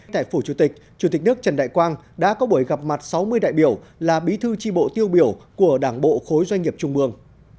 tại phủ chủ tịch chủ tịch nước trần đại quang đã có buổi gặp mặt sáu mươi đại biểu là bí thư tri bộ tiêu biểu của đảng bộ khối doanh nghiệp trung ương